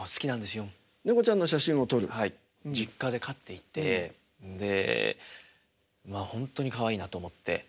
実家で飼っていてで本当にかわいいなと思って。